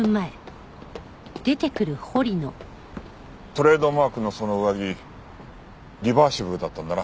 トレードマークのその上着リバーシブルだったんだな。